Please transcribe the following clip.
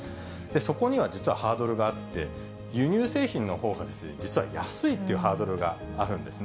そこには実はハードルがあって、輸入製品のほうが実は安いっていうハードルがあるんですね。